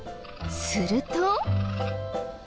すると。